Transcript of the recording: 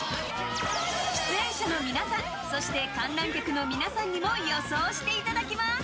出演者の皆さんそして観覧客の皆さんにも予想していただきます。